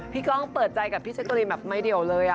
กล้องเปิดใจกับพี่แจ๊กกะรีนแบบไม่เดี่ยวเลย